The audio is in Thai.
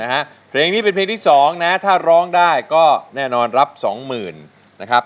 เพลงนี้เป็นเพลงที่สองนะถ้าร้องได้ก็แน่นอนรับสองหมื่นนะครับ